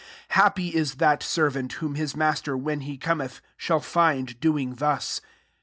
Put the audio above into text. I Hi^)py is that servant, whom master, when he cometh, find doing thus.